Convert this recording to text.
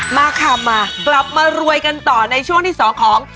มาค่ะมากลับมารวยกันต่อในช่วงที่สองของ